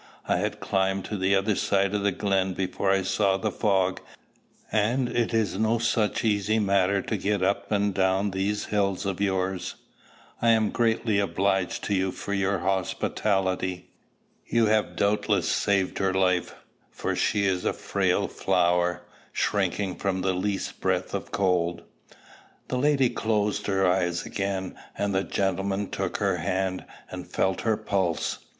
I had climbed the other side of the glen before I saw the fog; and it is no such easy matter to get up and down these hills of yours. I am greatly obliged to you for your hospitality. You have doubtless saved her life; for she is a frail flower, shrinking from the least breath of cold." The lady closed her eyes again, and the gentleman took her hand, and felt her pulse.